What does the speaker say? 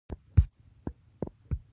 راځی د پښتو ژبې لپاره په شریکه خدمت وکړو